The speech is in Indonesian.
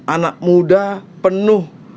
anak muda penuh